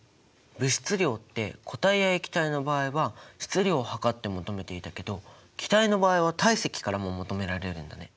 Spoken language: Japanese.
物質量って固体や液体の場合は質量を量って求めていたけど気体の場合は体積からも求められるんだね。